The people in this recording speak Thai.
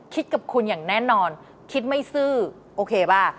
คิดกับคุณอย่างแน่นอนคิดไม่ซื่อโอเคป่ะ